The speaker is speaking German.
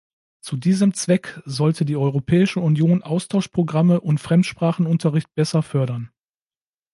Zu diesem Zweck sollte die Europäische Union Austauschprogramme und Fremdsprachenunterricht besser fördern.